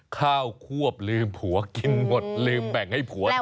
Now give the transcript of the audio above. ข้าวควบลืมผัวกินหมดลืมแบ่งให้ผัวเธอ